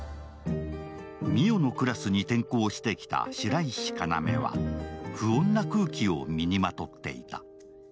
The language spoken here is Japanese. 澪のクラスに転校してきた白石要は不穏な空気を身にまとっていた。